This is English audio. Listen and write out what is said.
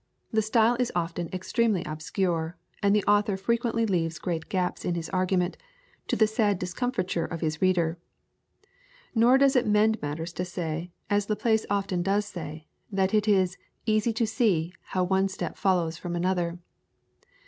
The style is often extremely obscure, and the author frequently leaves great gaps in his argument, to the sad discomfiture of his reader. Nor does it mend matters to say, as Laplace often does say, that it is "easy to see" how one step follows from another.